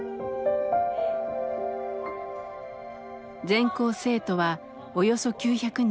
全校生徒はおよそ９００人。